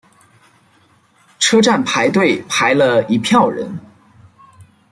车站排队排了一票人